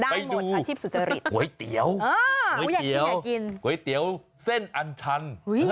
ไปดูก๋วยเตี๋ยวเส้นอันชัน